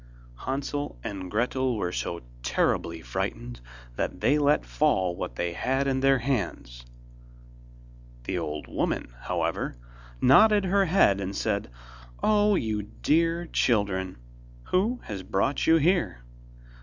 Hansel and Gretel were so terribly frightened that they let fall what they had in their hands. The old woman, however, nodded her head, and said: 'Oh, you dear children, who has brought you here?